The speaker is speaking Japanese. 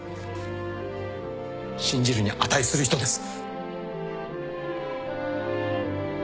信じるに値する人です。